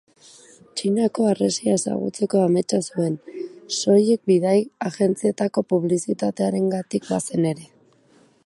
Txinako harresia ezagutzeko ametsa zuen, soilik bidai agentzietako publizitatearengatik bazen ere.